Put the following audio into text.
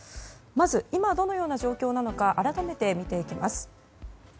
まず、今どのような状況なのか改めて見ていきます。